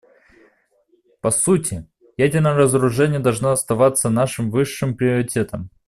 По сути, ядерное разоружение должно оставаться нашим высшим приоритетом.